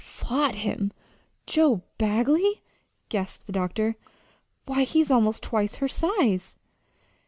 "Fought him Joe Bagley!" gasped the doctor. "Why, he's almost twice her size."